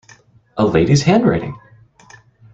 A lady’s handwriting!